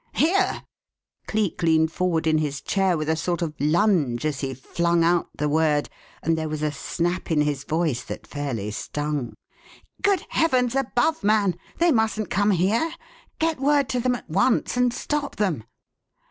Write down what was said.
"Here!" Cleek leaned forward in his chair with a sort of lunge as he flung out the word, and there was a snap in his voice that fairly stung. "Good heavens above, man! They mustn't come here. Get word to them at once and stop them."